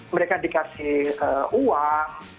mereka dikasih uang